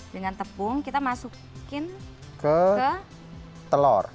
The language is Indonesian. dengan tepung kita masukin ke telur